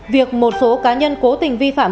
việc một số cá nhân cố tình vi phạm